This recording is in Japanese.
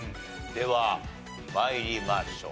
では参りましょう。